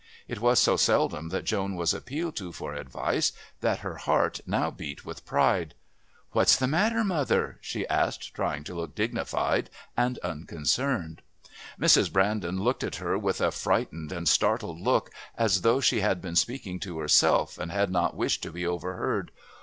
It was so seldom that Joan was appealed to for advice that her heart now beat with pride. "What's the matter, mother?" she asked, trying to look dignified and unconcerned. Mrs. Brandon looked at her with a frightened and startled look as though she had been speaking to herself and had not wished to be overheard.